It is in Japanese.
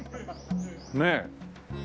ねえ。